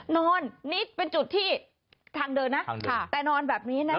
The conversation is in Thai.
นอนนี่เป็นจุดที่ทางเดินนะแต่นอนแบบนี้นะคะ